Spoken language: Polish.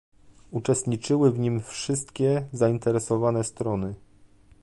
Uczestniczyły w nim wszystkie zainteresowane strony